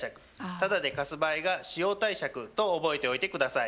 タダで貸す場合が使用貸借と覚えておいて下さい。